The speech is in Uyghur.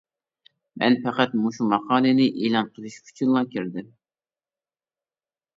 مەن پەقەت مۇشۇ ماقالىنى ئېلان قىلىش ئۈچۈنلا كىردىم.